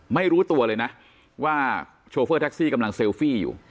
ไม่รู้ตัวเลยนะว่าโชเฟอร์แท็กซี่กำลังเซลฟี่อยู่